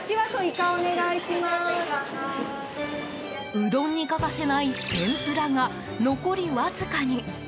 うどんに欠かせない天ぷらが残りわずかに。